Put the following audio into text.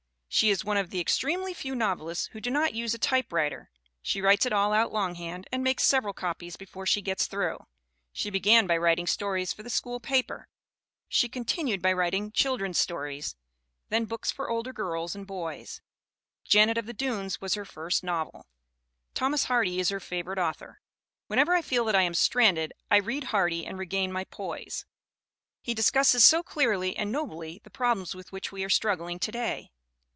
She is one of the extremely few novelists who do not use a typewriter she writes it all out longhand and makes several copies before she gets through. She began by writing stories for the school paper, she continued by writing children's stories, then books for older girls and boys. Janet of the Dunes was her first novel. Thomas Hardy is her favorite author. "Whenever I feel that I am stranded I read Hardy and regain my poise. He discusses so clearly and nobly the prob lems with which we are struggling to day.